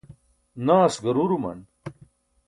naas garuruman